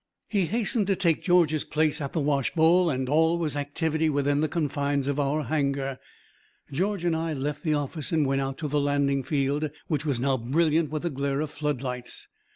He hastened to take George's place at the washbowl and all was activity within the confines of our hangar. George and I left the office and went out to the landing field, which was now brilliant with the glare of floodlights.